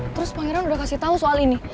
terus pangeran udah kasih tau soal ini